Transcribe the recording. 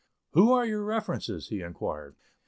"Who are your references?" he inquired.